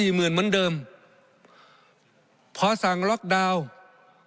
หมื่นเหมือนเดิมพอสั่งล็อกดาวน์